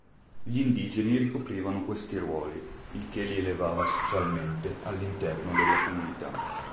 Gli indigeni ricoprivano questi ruoli, il che li elevava socialmente all'interno della comunità.